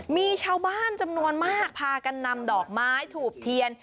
มีชาวบ้านจำนวนมากพากันนำดอกไม้ถูกเทียน